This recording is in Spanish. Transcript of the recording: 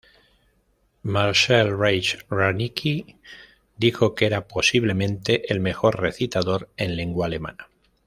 Marcel Reich-Ranicki dijo que era posiblemente el mejor recitador en lengua alemana.